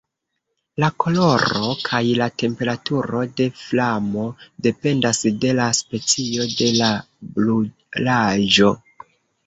La koloro kaj la temperaturo de flamo dependas de la specio de la brulaĵo.